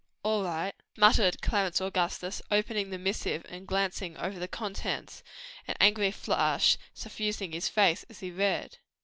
"All right!" muttered Clarence Augustus, opening the missive and glancing over the contents; an angry flush suffusing his face, as he read.